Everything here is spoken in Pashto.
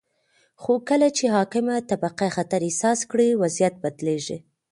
خو کله چې حاکمه طبقه خطر احساس کړي، وضعیت بدلیږي.